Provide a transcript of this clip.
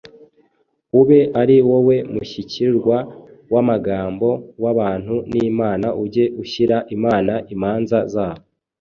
Ube ari wowe mushyikirwa w’amagambo w’abantu n’Imana ujye ushyira Imana imanza zabo: